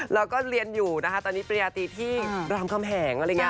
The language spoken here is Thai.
แล้วก็เรียนอยู่นะคะตอนนี้ปริญญาตรีที่รามคำแหงอะไรอย่างนี้